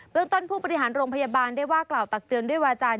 เรื่องต้นผู้บริหารโรงพยาบาลได้ว่ากล่าวตักเตือนด้วยวาจาร